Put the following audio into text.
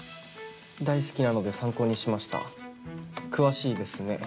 「大好きなので参考にしました詳しいですね」。